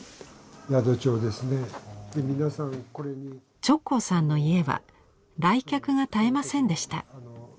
直行さんの家は来客が絶えませんでした。